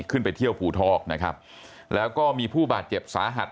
ขึ้นไปเที่ยวภูทอกนะครับแล้วก็มีผู้บาดเจ็บสาหัส